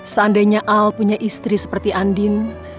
seandainya al punya istri seperti andin